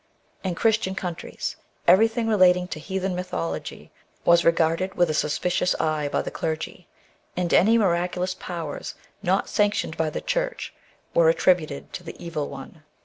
In Christian countries, everything relating to heathen mythology was regarded with a sus picious eye by the clergy, and any miraculous powers not sanctioned by the church were attributed to the evil • one.